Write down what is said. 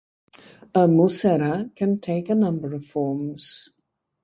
A mushaira can take a number of forms.